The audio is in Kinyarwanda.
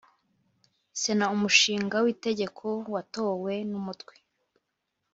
Sena umushinga w itegeko watowe n umutwe